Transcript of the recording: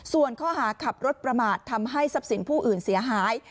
ส่วนข้อหาขับรถประมาททำให้ทรัพย์สินผู้อื่นเสียหาย